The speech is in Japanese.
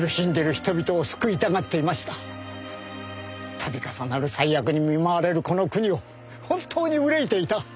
度重なる災厄に見舞われるこの国を本当に憂いていた。